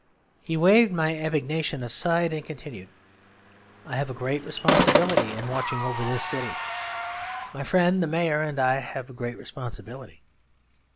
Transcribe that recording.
He waved my abnegation aside and continued, 'I have a great responsibility in watching over this city. My friend the mayor and I have a great responsibility.'